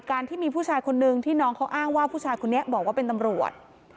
ที่มีผู้ชายคนนึงที่น้องเขาอ้างว่าผู้ชายคนนี้บอกว่าเป็นตำรวจ